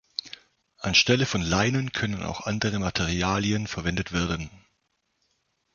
Anstelle von Leinen können auch andere Materialien verwendet werden.